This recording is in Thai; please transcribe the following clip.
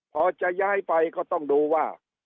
พอจะย้ายไปก็ต้องดูว่า